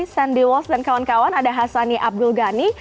di sandy walls dan kawan kawan ada hassani abdul ghani